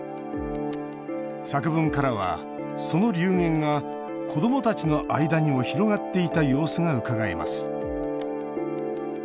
作文からは、その流言が子どもたちの間にも広がっていた様子がうかがえます